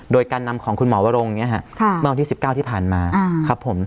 โดยการนำของคุณหมอวรงเมื่อวันที่๑๙ที่ผ่านมาครับผม